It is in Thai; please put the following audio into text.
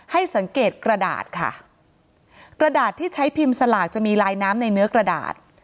ให้สังเกตกระดาษค่ะกระดาษที่ใช้พิมพ์สลากจะมีลายน้ำในเนื้อกระดาษ